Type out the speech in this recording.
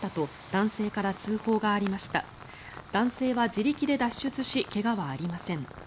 男性は自力で脱出し怪我はありません。